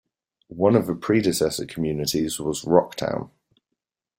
One of the predecessor communities was "Rocktown".